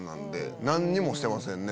何にもしてませんね。